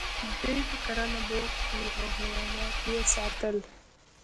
دی په کرنه بوخت و او حیوانات یې ساتل